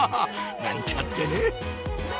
なんちゃってね